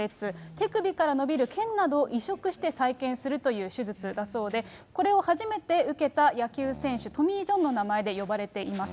手首から伸びるけんなどを移植して再建するという手術だそうで、これを初めて受けた野球選手、トミー・ジョンの名前で呼ばれています。